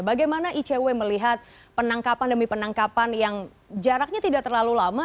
bagaimana icw melihat penangkapan demi penangkapan yang jaraknya tidak terlalu lama